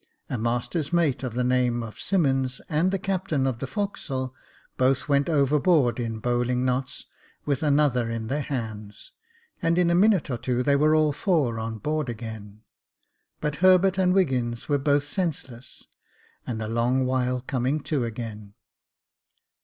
A master's mate, of the name of Simmonds, and the captain of the forecastle, both went overboard in bowling knots, with another in their hands, and in a minute or two they were all four on board again ; but Herbert and Wiggins were both senseless, and a long while coming to again.